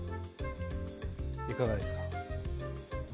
いかがですか？